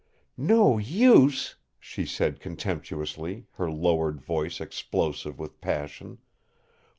"No use!" she said contemptuously, her lowered voice explosive with passion.